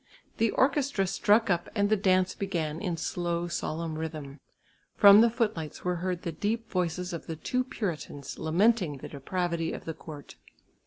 The orchestra struck up and the dance began in slow solemn rhythm. From the footlights were heard the deep voices of the two Puritans lamenting the depravity of the court.